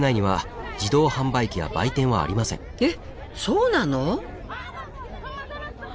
えっそうなの？